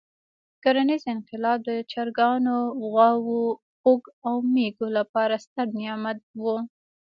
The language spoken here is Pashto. کرنیز انقلاب د چرګانو، غواوو، خوګ او مېږو لپاره ستر نعمت وو.